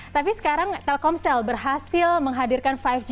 tapi sekarang telkomsel berhasil menghadirkan lima g